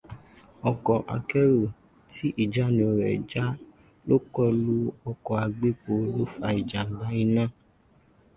Ọkọ̀ akẹ́rù tí ìjánu rẹ̀ já ló kọlù ọkọ̀ agbépo ló fa ìjàmbá iná.